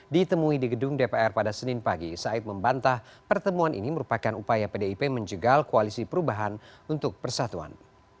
ditemui di gedung dpr pada senin pagi said membantah pertemuan ini merupakan upaya pdip menjegal koalisi perubahan untuk persatuan